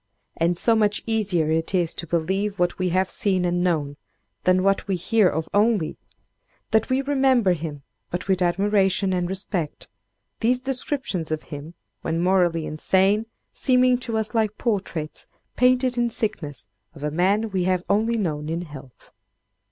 And so much easier is it to believe what we have seen and known, than what we hear of only, that we remember him but with admiration and respect; these descriptions of him, when morally insane, seeming to us like portraits, painted in sickness, of a man we have only known in health.